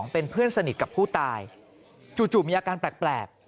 เป็นเพื่อนสนิทกับผู้ตายจู่มีอาการแปลก